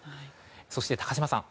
そして、高島さん